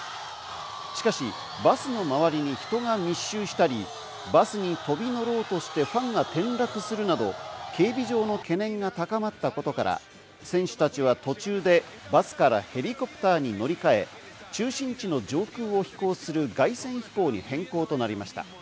しかしバスの周りに人が密集したり、バスに飛び乗ろうとしてファンが転落するなど警備上の懸念が高まったことから、選手たちは途中でバスからヘリコプターに乗り換え、中心地の上空を飛行する凱旋飛行に変更となりました。